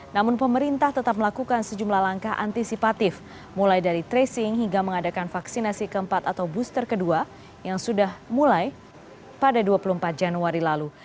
namun pemerintah tetap melakukan sejumlah langkah antisipatif mulai dari tracing hingga mengadakan vaksinasi keempat atau booster kedua yang sudah mulai pada dua puluh empat januari lalu